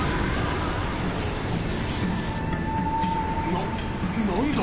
な何だ！？